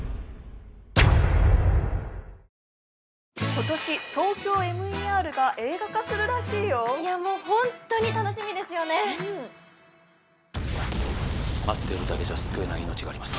今年「ＴＯＫＹＯＭＥＲ」が映画化するらしいよいやもうホントに楽しみですよねうん待っているだけじゃ救えない命があります